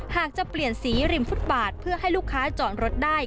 หากจะเปลี่ยนสีริมฟุตบาทเพื่อให้ลูกค้าจอดรถได้